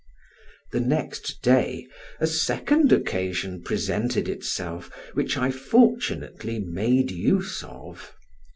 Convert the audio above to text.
The next day, a second occasion presented itself, which I fortunately made use of.